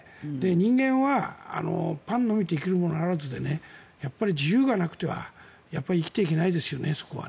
人間はパンのみで生きるものあらずで自由がなくては生きていけないですよね。